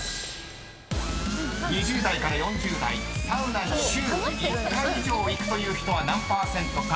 ［２０代から４０代サウナに週１回以上行くという人は何％か？